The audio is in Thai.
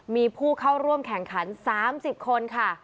มีผู้เข้าร่วมแข่งขัน๓๐คนค่ะ